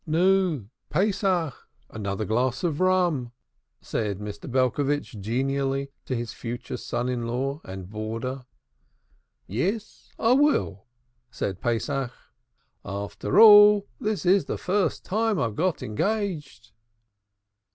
"Nu, Pesach, another glass of rum," said Mr. Belcovitch genially to his future son in law and boarder. "Yes, I will," said Pesach. "After all, this is the first time I've got engaged."